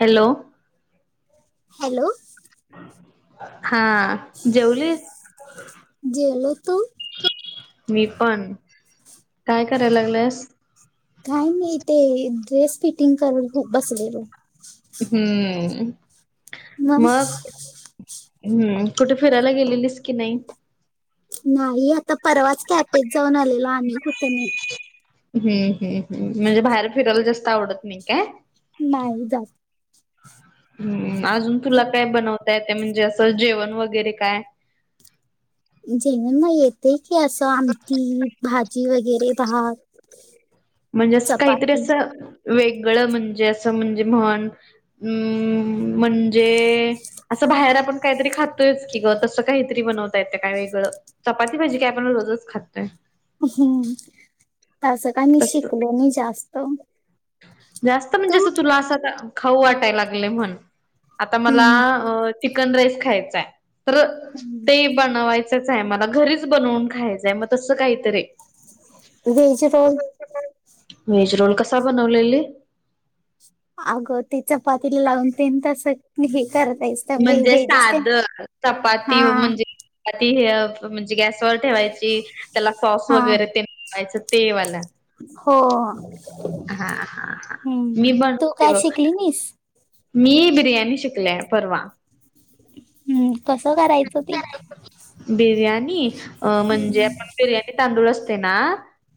Hello hello हा जेवलीस? जेवलो तु? मी पण. काय कराय लागलायस? काही नाही ते ड्रेस फिटिंग कर [unintelligible] बसलेलो. हम्म. मग? हम्म. कुठे फिरायला गेलेलीस की नाही? नाही. आता परवाच कॅफेत जाऊन आलेलो आणि कुठं नाही. हम्म. हम्म. हम्म. म्हणजे बाहेर फिरायला जास्त आवडत नाही काय? नाही जास्त. हम्म. अजून तुला काय बनवताय येत? म्हणजे असं जेवण वगैरे काय? जेवण ना? येतय की असं, आमटी, भाजी वगैरे भात. म्हणजे असं काहीतरी चपाती असं वेगळं. म्हणजे असं म्हणजे म्हण- अं -म्हणजे- असं बाहेर आपण काहीतरी खातोयच की ग! तसं काहीतरी बनवता येत काय वेगळं? चपाती भाजी काय आपण रोजच खात्तोय. हम्. तसं काय मी तस शिकलो नाही जास्त. जास्त म्हणजे तू असं तुला असं खाऊ वाटायला लागलंय म्हणून. आता मला हम्म चिकन राईस खायचाय. तर ते बनवायच- मला. घरीच बनवून खायचाय. मग तसं काहीतरी - व्हेज रोल. Veg roll. कसा बनवलेली? अगं! ते चपातीला लावून तेन तस. म्हणजे साध. हा चपाती म्हणजे- ती. हे म्हणजे गॅसवर ठेवायची. त्याला सॉस हा वगैरे तेे लावायच ते वाल. हो. हा. हा. हा. मी हम्म तू बनवते काय बघ. शिकली नाहीस मी बिर्याणी शिकलेय. परवा. हं. कसं करायचं ते? बिर्याणी? अ हम्म, म्हणजे आपण बिर्याणी तांदूळ असतेय ना?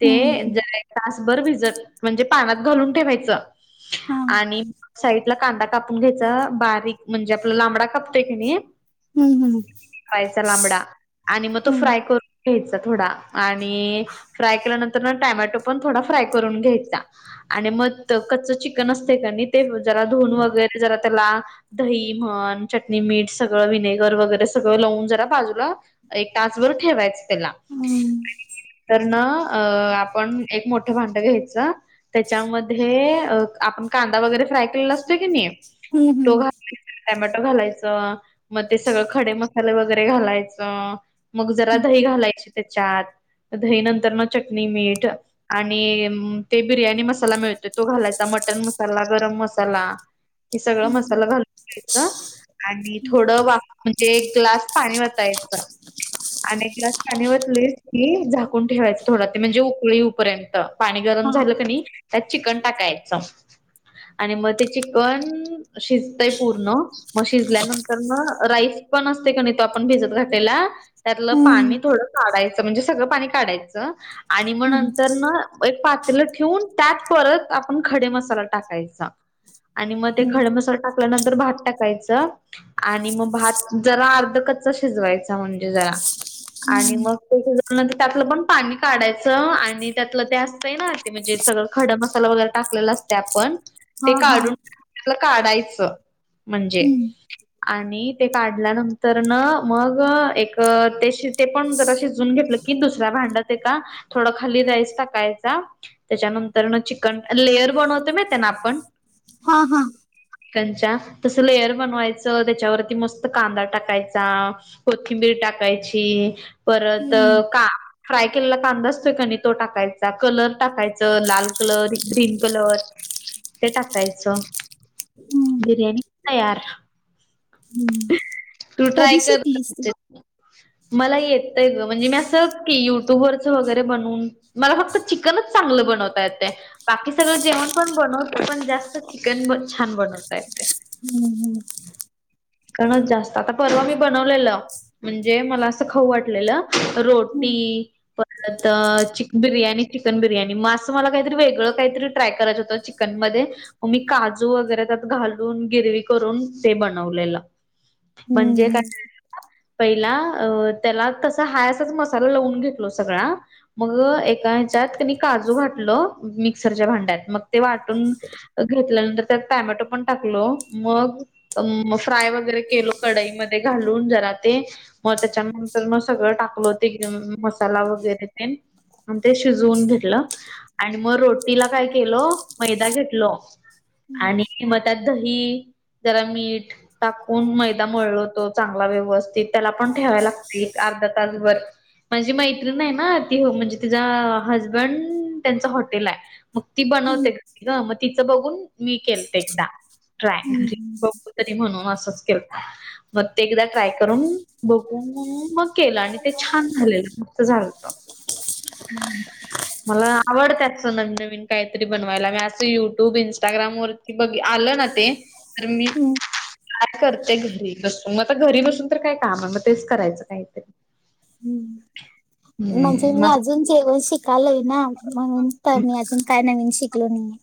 ते हम्म, जरा एक तासभर भिजत. म्हणजे पाण्यात घालून ठेवायचं. हा, आणि साहित्य- त्याला कांदा कापून घ्यायचा बारीक म्हणजे, आपला लांबडा कापतोय की नाई? हम्म. हम्. -पायचा लांबडा. आणि मग तो फ्राय करून- घ्यायचा थोडा. आणि फ्राय केल्यानंतर न टॅमॅटो पण थोडा फ्राय करून घ्यायचा. आणि मग कच्च चिकन असतय का नाही? ते जरा धुून वगैरे जरा त्याला- दही म्हण. चटणी, मीठ सगळं विनेगर वगैरे- सगळं लावून जरा बाजूला एक तासभर ठेवायच. हम्म, तर ना आपण एक मोठ- भांडं घ्यायचं. त्याच्यामध्ये आपण कांदा वगैरे फ्राय केलेला असतोय की नाही? हम् हम्म. टॅमेटो घालायचं. म ते सगळं खडे मसाले वगैरे घालायचं. मग जरा हम्म, दही घालायचे त्याच्यात. म दही नंतर म चटणी, मीठ. आणि ते बिर्याणी मसाला मिळतोय तो घालायचा. मटन मसाला, गरम मसाला. हे सगळ मसाला घालून घ्यायचा. आणि थोड वा [unintelligible] म्हणजे- ग्लास पाणी वतायच. आणि एक ग्लास पाणी वतलीस की झाकून ठेवायच थोडा. ते म्हणजे उकळी येऊपर्यंत. पाणी गरम हा, झालं की नाही, त्यात चिकन टाकायचं. आणि मग ते चिकन शिजतय पूर्ण- मग शिजल्यानंतर मग राईस पण असतय का नाही, तो आपण भिजत घातलेला- त्यातलं हम्म, पाणी थोडं काढायचं, म्हणजे सगळं पाणी काढायचं- आणि मग हम्म, नंतर ना एक पातल ठेवून, त्यात परत आपण खडे मसाला टाकायचा. आणि मग ते हम्म, खडं मसाला टाकल्यानंतर भात टाकायचं आणि मग भात- जरा, अर्ध कच्चा शिजवायचा म्हणजे जरा- आणि हम्म, मग ते शिजवल्यानंतर त्यातलं पण पाणी काढायचं आणि त्यातलं ते असतय ना- ते म्हणजे, सगळं खडा मसाला वगैरे टाकलेला असतय आपण- हा, ते हा, काढून, काढायचं म्हणजे हम्म, आणि- ते काढल्यानंतरन मग एक ते, ते पण जरा शिजून घेतलं- कि दुसऱ्या भांडत एका थोडं खाली राईस टाकायचा- त्याच्यानंतर ना चिकन, लेयर बनवतो माहितेय ना आपण- हा, हा. कंचा तसं, लेअर बनवायचं त्याच्यावरती मस्त- कांदा टाकायचा, कोथिंबीर टाकायची, परत हम्म, का- फ्राय केलेला कांदा असतोय का नाही तो टाकायचा, कलर टाकायचा, लाल कलर, ग्रीन कलर- ते टाकायचं, हम्म, बिर्याणी तयार. हम्म. तू ट्राय कधी कर. शिकलीस तू मला येतय ग, म्हणजे मी असं की, युट्यूबवररच वगैरे बनून- मला फक्त चिकनच चांगलं बनवता येतय. बाकी सगळं जेवण पण बनवते, पण जास्त चिकन छान बनवता येतय. हं, हं. कारण, जास्त आता परवा मी बनवलेलं. म्हणजे, मला असं खाऊ वाटलेलं हम्म, रोटी- परत चिक बिर्याणी, चिकन बिर्याणी, म असं मला काहीतरी वेगळं काहीतरी ट्राय करायचं होतं चिकन मध्ये- मग मी काजू वगैरे, त्यात घालून गिरवी करून ते बनवलेलं म्हणजे काय- हम्म, पहिला अ.. त्याला तसा हाय असच मसाला लावून घेतलो सगळा- मग एका ह्याच्यात कनी काजू घातलं, मिक्सरच्या भांड्यात मग ते वाटून- घेतल्यानंतर त्यात टॉमेटो पण टाकलो, मग- फ्राय वगैरे केलो कडाईमध्ये घालून जरा- ते मग त्याच्यानंतर मग सगळं टाकलं होत, एकदम मसाला वगैरे तेन- आणि ते शिजवून घेतलं आणि मग रोटीला काय केलं, मैदा घेतलो, - हम्म, आणि म [unintelligible] तात दही- जरा मीठ टाकून मैदा मळलतो चांगला व्यवस्थ- त त्याला पण ठेवाय लागतय, एक अर्धा तासभर. माझी मैत्री नाही ना, ती हो म्हणजे तिचा हजबंड त्यांच हॉटेल आहे. मग ती हम्म, बनवते, मग तिचं बघून मी केलते एकदा. ट्राय [unintelligible] हम्म, घरी हम्म, तरी म्हणून असच के मग ते एकदा ट्राय- तर बघून मग केलं आणि ते छान झालेलं मस्त झालंत. [inaudible] मला आवडत्यात, सो नवीनवीन काहीतरी बनवायला, मी असं युट्यूब इंस्टाग्रामवर- बघ आलं ना ते, तर मी हम्म. काय करते घरी बसून, मग घरी बसून- तर काय हाय काम मग तेच करायचं काहीतरी हम्म. म्हणजे हम्म मी अजून जेवण शिकालोय ना म्हणून तर मी अजून काय नवीन शिकलो नाहीे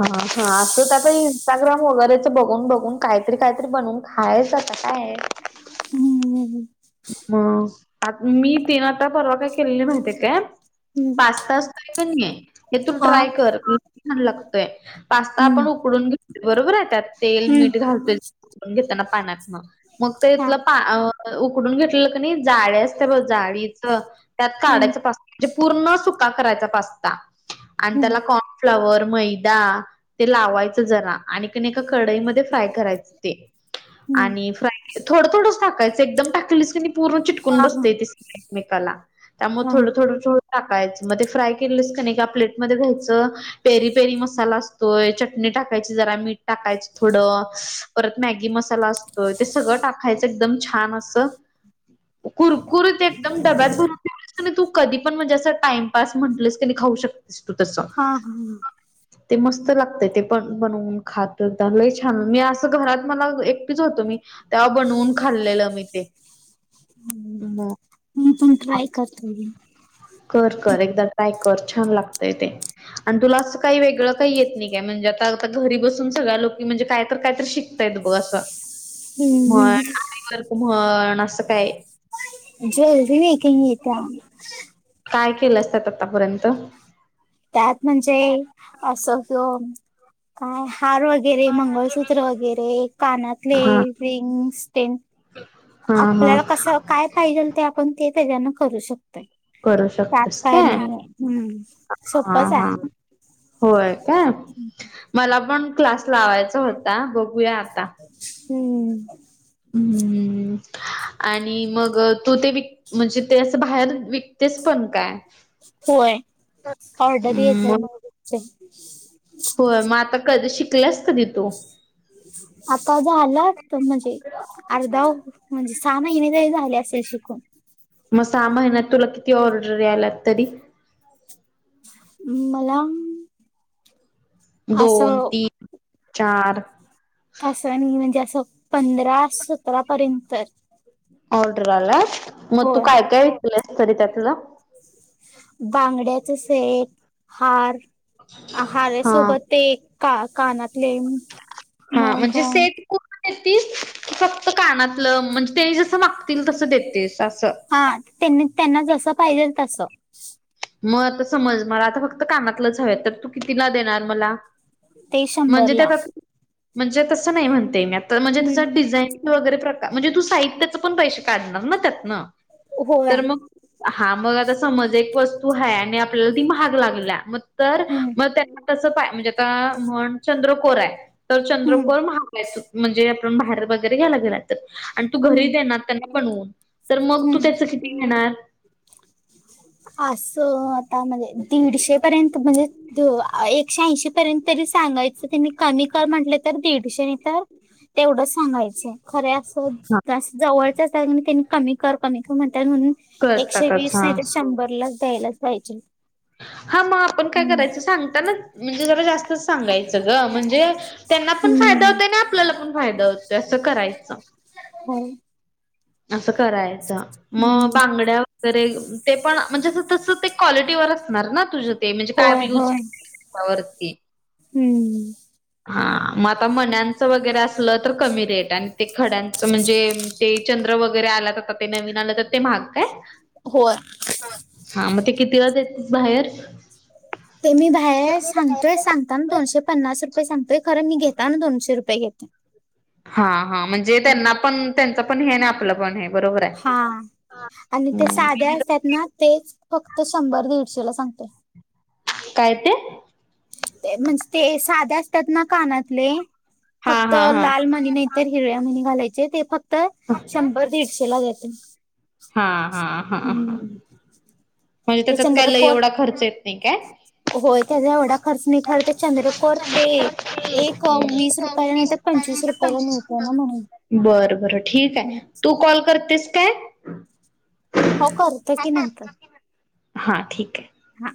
हा हा असत आता इन स्टाग्राम वगैरेच बघून बघून काहीतरी काहीतरी बनवून खायच आता काय आहे हम्म ह् म आता मी तीनं आता परवा काय केलेली माहितीये काय हम्म, पास्ता असतोय की नाही थून हा ट्राय कर छान लागतोय पास्ता आपण हम्म, उकडून घेतोय बरोबर आहे त्यात तेल हम्म, मीठ घालतोय उकडून घेताना पाण्यातनं मग ते हा इथलं पा उकडून घेतलेलं क नाही जाळे असत बघ जाळीचं त्यात हम्म, काढायचा पास्ता म्हणजे पूर्ण सुका करायचा पास्ता आणि हम्म त्याला कॉर्नफ्लावर, मैदा ते लावायचं जरा आणि कण एका कडईमध्ये फ्राय करायचं ते हम्म आणि फ्राय थोडं थोडंच टाकायचं एकदम टाकलीस की नाही पूर्ण चिटकून हा हा बसतय ते सगळं एक मेकाला त्यामुळे हा थोडं थोडंचं टाकायचं मग ते फ्राय केलंस का नाही एका प्लेट मध्ये घ्यायचं पेरी पेरी मसाला असतोय चटणी टाकायची जरा मीठ टाकायच थोडं परत मॅगी मसाला असतोय ते सगळं टाकायचं एकदम छान असं कुरकुरीत एकदम डब्यात भरून तू कधी पण म्हणजे असं टाइमपास म्हटलस की खाऊ शकतेस तू तसं हा हम [inaudible] ते मस्त लागतय ते पण बनवून खात लई छान मी असं घरात मला एकटीच होतो मी तेव्हा बनवून खाल्लेलं मी ते म मी पण ट्राय करतो घे कर कर एकदा ट्राय कर छान लागतय ते आणि तुला असं काही वेगळं काही येत नाही काय म्हणजे आता आता घरी बसून सगळ्या लोक म्हणजे काय तर कायतरी शिक य बघ अस म्हण आ व म्हण असं काय जलदी नाही [unintelligible] काय केलं असतात आतापर्यंत त्यात म्हणजे अस काय हार वैगे वगैरे मंगळसूत्र वगैरे कानातले हा रिंग्स तेन हा हा आपल्याला कस काय पाहिजेल ते आपण ते त्याच्यान करू शकतो करू शकतेस काय तातकाणी हम् हा सोपच हा आहे होय काय मला पण क्लास लावायचा होता बघूया आता हम्म हम्म् आणि मग तू ते विक म्हणजे ते असं बाहेर विकतेस पण काय? होय ऑर्डरी यायचं [unintelligible] हो मग आता कध शिकल्यास कधी तू? आता झालं असतं आला म्हजे अर्धा म्हणजे सहा महिने तरी झाले असतील शिकून मग सहा महिन्यात तुला किती ऑर्डरी आल्यात तरी? हम्म मला दोन असं तीन चार असं नाही म्हणजे असं पंधरा सतरापर्यंत ऑर्डर आलाय मग तू होय काय काय [unintelligible] तरी त्यातलं बांगड्याच सेट हार हा हारासोबत एक का कानातले हा मग म्हणजे सेट देतीस का फक्त कानातलं म्हणजे ते जसं मागतील तसं देतेस असं हा त्यांनी त्यांना जसं पाहिजेल तसं मग आता समज मला आता फक्त कानातलंच हवं तर तू कितीला देणार मला ते म्हणजे शंभरला त्यात म्हणजे तस नाही म्हणते मी आता म्हणजे हम्म त्याच्यात डिझाईन वगैरे प्रकार म्हणजे तू साहित्याच पण पैसे काढणार ना त्यात ना होय तर मग हा मग आता समज एक वस्तू आहे आणि आपल्याला ती महाग लागल्या मग तर हम्म मग त्यांना तस पाय म्हणजे आता म्हण चंद्रकोर हाय तर हम्म चंद्रकोर महागय त म्हणजे आपण बाहेर वगैरे घ्यायला गेला तर आणि तू घरी हम्म देणार त्यांना बनवून तर मग तू हम्म त्याच किती घेणार असं आता म्हणजे दीडशे पर्यंत म्हणजे दो एकशे ऐंशी पर्यंत तरी सांगायचं त्यांनी कमी कर म्हटलं तर दीडशे नही तर तेवढं सांगायचं खरे असं हां. जवळच अस त्यांनी कमी कर कमी कर म्हणत्या म्हणून एकशे करतातच वीस नाही हां. तर शंभर ला द्यायलाच पाहिजे हा मग आपण काय हम्म करायचं सांगताना म्हणजे जरा जास्तच सांगायचं ग म्हणजे त्यांना हम्म पण फायदा होतोय आणि आपल्याला पण फायदा होतोय असं करायचं हो असं करायचं मग हम्म बांगड्या तर ते पण म्हणजे तसं ते क्वालिटीवर असणार ना तुझ ते म्हणजे होय काय यूज होय वरती हम्म हा मग आता मण्यांचं वगैरे असलं तर कमी रेट आणि ते खड्यांचं म्हणजे ते चंद्र वगैरे आला तर आता ते नवीन आलं तर ते महाग काय होय हा मग ते कितीला देतीस बाहेर ते मी बाहेर सांगतोय सांग ता दोनशे पन्नास रुपये सांगतोय खर मी घेताना दोनशे रुपये घेते हा हा म्हणजे त्यांना पण त्यांच पण हे ना आपलं पण हे बरोबर आहे. हा आणि ते हम्म साध्या असतात ना तेच फक्त शंभर दीडशे ला सांगते काय ते म्हणजे ते साधे असतात ना कानातले हा फक्त हा हा लाल मणी नाहीतर हिरव्या मणी घालायचे ते फक्त शंभर दीडशे ला जाते हा हा हा म्हणजे ते त्याच्यात काय लय चंद्रकोर एवढा खर्च येत नाही काय होय त्याचा एवढा खर्च नही खरं तर चंद्रकोर ते एक वीस रुपयाला नाही तर पंचवीस रुपयाला मिळत ना म्हणून बर बरं ठीक आहे तू कॉल करतेस काय हो करते की नंतर हा ठीक ये हा